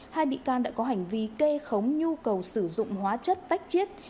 hai bị can đã có hành vi kê khống nhu cầu sử dụng hóa chất tách chiết